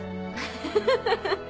フフフフ！